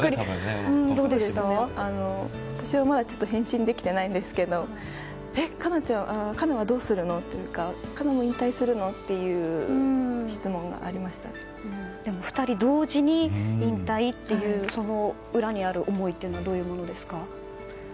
私はまだ返信できてないんですけどえ、哉中はどうするの？というか哉中も引退するの？という２人同時に引退というその裏にある思いはどういうものですか。